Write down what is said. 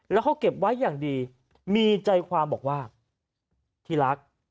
แล้วเขาเก็บไว้อย่างดีมีใจความบอกว่าที่รัก